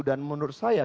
dan menurut saya